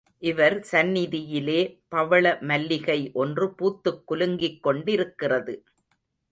இவர் சந்நிதியிலே பவள மல்லிகை ஒன்று பூத்துக் குலுங்கிக் கொண்டிருக்கிறது.